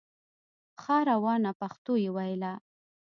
ښه روانه پښتو یې ویله